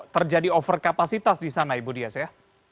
terjadi over kapasitas di sana ibu dias ya